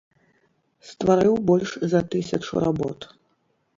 Стварыў больш за тысячу работ.